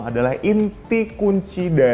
adalah inti kunci dari limbah fashion